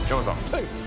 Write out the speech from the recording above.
はい。